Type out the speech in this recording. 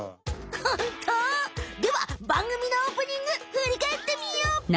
ホント？ではばんぐみのオープニングふりかえってみよう！